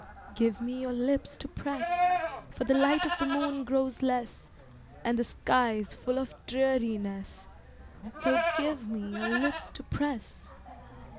Give me your lips to press, For the light of the moon grows less, And the sky's full of dreariness, So give me your lips to press.